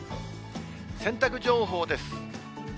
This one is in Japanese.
洗濯情報です。